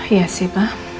iya sih pak